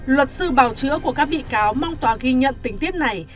luật sư bào chữa của các bị cáo mong tòa ghi nhận tình tiết này